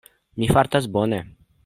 Mi fartas bone.